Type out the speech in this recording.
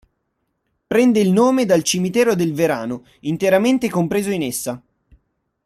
Prende il nome dal Cimitero del Verano, interamente compreso in essa.